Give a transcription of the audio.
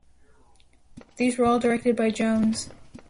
These were all directed by Jones.